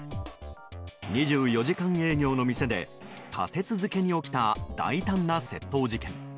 ２４時間営業の店で立て続けに起きた大胆な窃盗事件。